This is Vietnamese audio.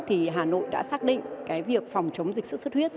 thì hà nội đã xác định cái việc phòng chống dịch xuất xuất huyết